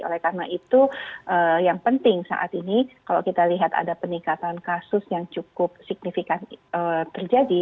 oleh karena itu yang penting saat ini kalau kita lihat ada peningkatan kasus yang cukup signifikan terjadi